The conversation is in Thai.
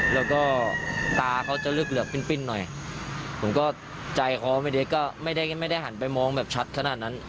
แล้วก็ตาเขาจะเลือกเหลือบปิ้นหน่อยผมก็ใจเขาไม่ได้ก็ไม่ได้หันไปมองแบบชัดขนาดนั้น